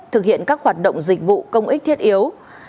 thực hiện các hoạt động dịch vụ công ích thiết yếu